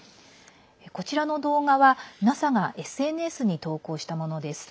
こちらの動画は、ＮＡＳＡがＳＮＳに投稿したものです。